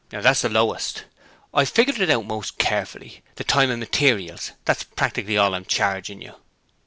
'That's the lowest. I've figured it out most carefully, the time and materials, and that's practically all I'm charging you.'